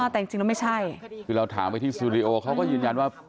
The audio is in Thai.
แต่จริงแล้วไม่ใช่คือเราถามไปที่สตูดิโอเขาก็ยืนยันว่า